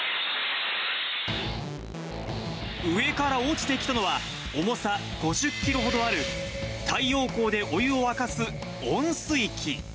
上から落ちてきたのは、重さ５０キロほどある、太陽光でお湯を沸かす温水器。